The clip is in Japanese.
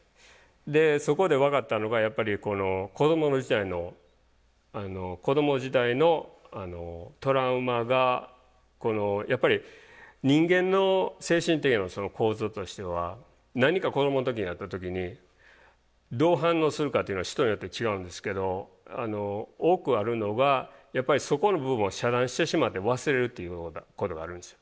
でそこで分かったのがやっぱり子ども時代のトラウマがやっぱり人間の精神的な構造としては何か子どもの時にあった時にどう反応するかっていうのは人によって違うんですけど多くあるのがやっぱりそこの部分を遮断してしまって忘れるっていうようなことがあるんです。